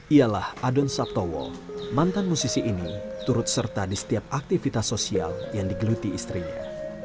ialah adon sabtowo mantan musisi ini turut serta di setiap aktivitas sosial yang digeluti istrinya